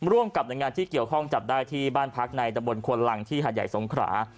ร่วมกับหน่วยงานที่เกี่ยวข้องจับได้ที่บ้านพักในตะบนควนลังที่หาดใหญ่สงขรา